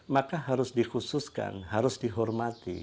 maka harus dikhususkan harus dihormati